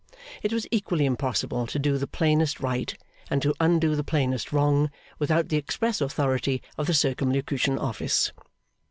It was equally impossible to do the plainest right and to undo the plainest wrong without the express authority of the Circumlocution Office.